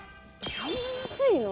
そんな安いの？